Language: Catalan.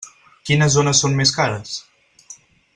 Quines zones són més cares?